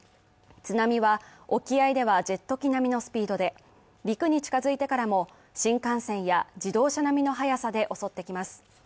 津波は沖合ではジェット機並みのスピードで陸に近づいてからも新幹線や自動車並みの速さで襲ってきます。